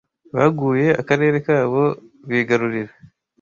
Baguye akarere kabo bigarurira.